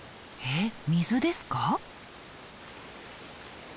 えっ水ですか？